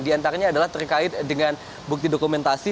diantaranya adalah terkait dengan bukti dokumentasi